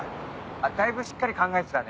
あだいぶしっかり考えてたね。